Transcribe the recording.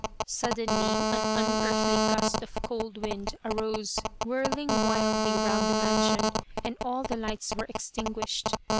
Suddenly, an unearthly gust of cold wind arose whirling wildly round the mansion, and all the lights were extinguished.